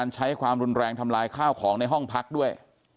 ใช้ความรุนแรงทำลายข้าวของในห้องพักด้วย